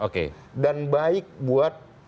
oke dan baik buat